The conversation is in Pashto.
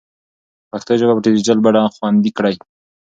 پښتو ژبه په ډیجیټل بڼه خوندي کړئ.